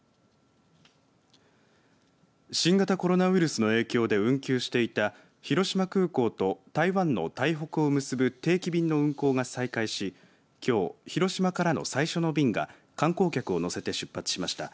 新型コロナウイルスの影響で運休していた広島空港と台湾の台北を結ぶ定期便の運航が再開し、きょう広島からの最初の便が観光客を乗せて出発しました。